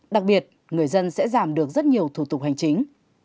đặc biệt người dân sẽ giảm được rất nhiều thủ tục hành chính